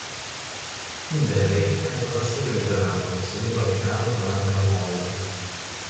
Timberlake canta da solo il brano seduto al piano davanti alla folla.